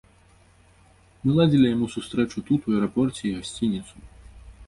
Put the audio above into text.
Мы ладзілі яму сустрэчу тут у аэрапорце і гасцініцу.